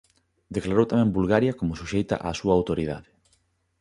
Declarou tamén Bulgaria como suxeita á súa autoridade.